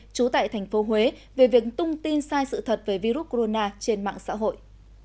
trú tại thành phố huế về việc tung tin sai sự thật về virus corona trên mạng xã hội